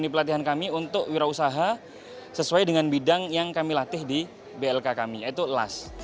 dan ini pelatihan kami untuk wirausaha sesuai dengan bidang yang kami latih di blk kami yaitu las